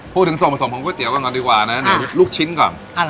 พูดถึงส่วนผสมของก๋วยเตี๋ยวกันก่อนดีกว่านะอ่าเนี้ยลูกชิ้นก่อนเอาล่ะ